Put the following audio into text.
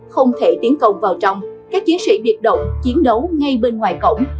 không thể tiến công vào trong các chiến sĩ biệt động chiến đấu ngay bên ngoài cổng